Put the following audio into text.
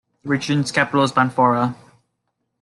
The region's capital is Banfora.